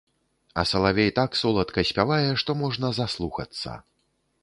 А салавей так соладка спявае, што можна заслухацца.